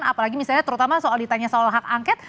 apalagi misalnya terutama soal ditanya soal hak angket